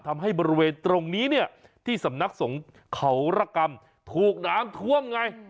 ทำให้บริเวณตรงนี้เนี่ยที่สำนักสงฆ์เขาระกรรมถูกน้ำท่วมไง